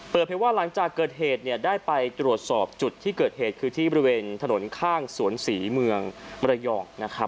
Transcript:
ว่าหลังจากเกิดเหตุได้ไปตรวจสอบจุดที่เกิดเหตุคือที่บริเวณถนนข้างสวนศรีเมืองมรยอง